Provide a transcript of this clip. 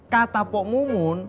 kata pok mumun